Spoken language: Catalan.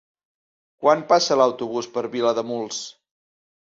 Quan passa l'autobús per Vilademuls?